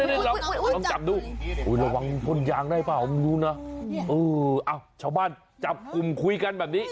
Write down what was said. ลองจับดูระวังพ่นยางได้เปล่าไม่รู้นะเออชาวบ้านจับกลุ่มคุยกันแบบนี้